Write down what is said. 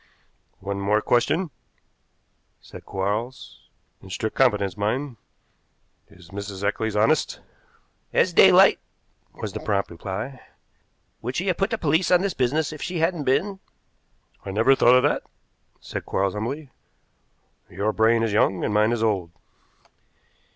"One more question," said Quarles, "in strict confidence, mind. Is Mrs. Eccles honest?" "As daylight," was the prompt reply. "Would she have put the police on this business if she hadn't been?" "I never thought of that," said Quarles humbly. "Your brain is young and mine is old."